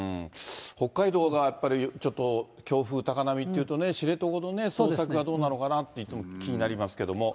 北海道がやっぱりちょっと強風、高波というとね、知床のね、捜索がどうなのかなといつも気になりますけども。